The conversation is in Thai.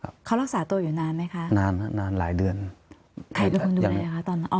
ครับเขารักษาตัวอยู่นานไหมคะนานน่ะนานหลายเดือนใครทุกคนดูแลแล้ว